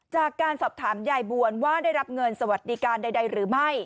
จากการสอบถามยายบวนว่าได้รับเงินสวัสดิการใดหรือไม่